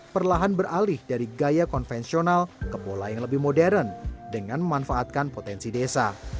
perlahan beralih dari gaya konvensional ke pola yang lebih modern dengan memanfaatkan potensi desa